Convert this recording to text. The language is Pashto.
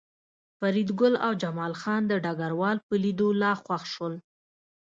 فریدګل او جمال خان د ډګروال په لیدو لا خوښ شول